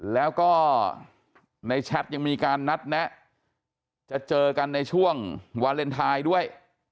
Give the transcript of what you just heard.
แล้วก็ในแชทยังมีการนัดแนะจะเจอกันในช่วงวาเลนไทยด้วย